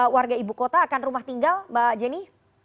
warga ibu kota akan rumah tinggal mbak jenny